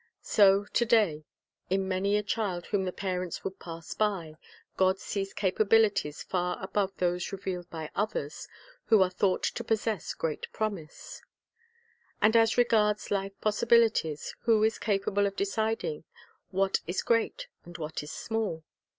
So to day, in many a child whom the parents would pass by, God sees capabilities far above those revealed by others who are thought to possess great promise. And as regards life's possibilities, who is capable of deciding what is great and what is small?